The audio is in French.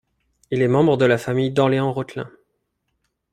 Il est un membre de la famille d'Orléans-Rothelin.